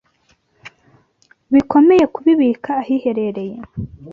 bikomeye kubibika ahiherereye